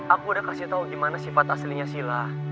aku sudah kasih tahu gimana sifat aslinya sila